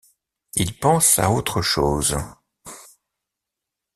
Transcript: Ils pensent à autre chose.